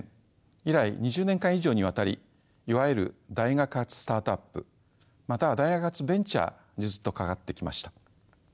以来２０年間以上にわたりいわゆる大学発スタートアップまたは大学発ベンチャーにずっと関わってきました。